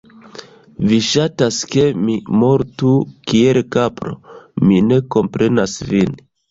Vi ŝatas ke mi mortu kiel kapro, mi ne komprenas vin